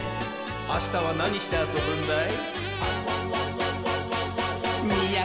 あしたはなにしてあそぶんだい？